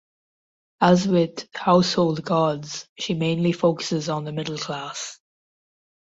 As with "Household Gods" she mainly focuses on the middle class.